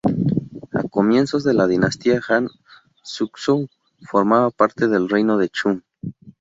A comienzos de la Dinastía Han, Xuzhou formaba parte del Reino de Chu.